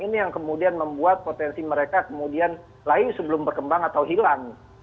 ini yang kemudian membuat potensi mereka kemudian layu sebelum berkembang atau hilang